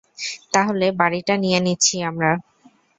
তাহলে, বাড়িটা নিয়ে নিচ্ছি আমরা?